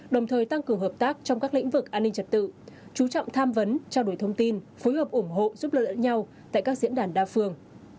đồng thời tăng cường hợp tác trong các lĩnh vực an ninh trật tự chú trọng tham vấn trao đổi thông tin phối hợp ủng hộ giúp đỡ lẫn nhau tại các diễn đàn đa phương